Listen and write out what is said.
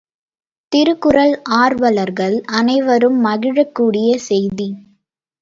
திருக்குறள் ஆர்வலர்கள் அனைவரும் மகிழக் கூடிய செய்தி!